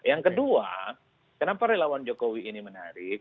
yang kedua kenapa relawan jokowi ini menarik